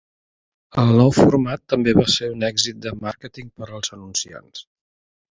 El nou format també va ser un èxit de màrqueting per als anunciants.